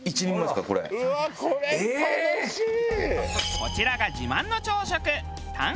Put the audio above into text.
こちらが自慢の朝食。